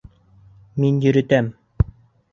Мин йөрөтәм.